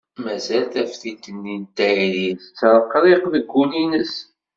Mazal taftilt-nni n tayri tettreqriq deg wul-ines.